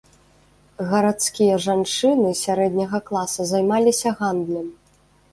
Гарадскія жанчыны сярэдняга класа займаліся гандлем.